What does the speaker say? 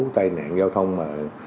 tai nạn giao thông mà